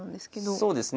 そうですね。